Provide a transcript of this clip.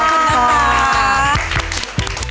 ขอบคุณมาก